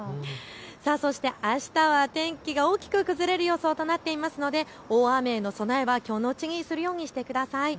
そして、あしたは天気が大きく崩れる予想となっているので大雨への備えはきょうのうちにするようにしてください。